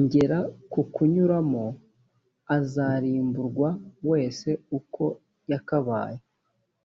ngera kukunyuramo a azarimburwa wese uko yakabaye